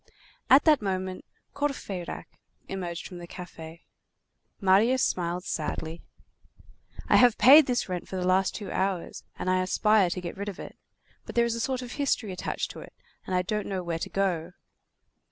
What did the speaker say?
At that moment, Courfeyrac emerged from the café. Marius smiled sadly. "I have paid this rent for the last two hours, and I aspire to get rid of it; but there is a sort of history attached to it, and I don't know where to go."